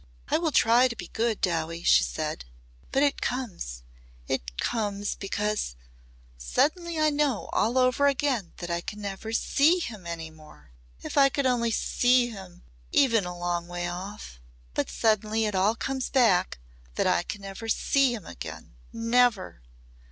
"I will try to be good, Dowie," she said. "But it comes it comes because suddenly I know all over again that I can never see him any more. If I could only see him even a long way off! But suddenly it all comes back that I can never see him again Never!"